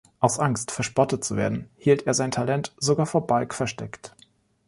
Aus Angst, verspottet zu werden, hielt er sein Talent sogar vor Bulk versteckt.